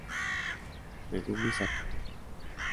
Megumi Satō